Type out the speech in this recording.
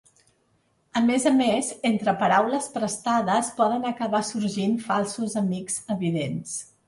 A més a més, entre paraules prestades poden acabar sorgint falsos amics evidents.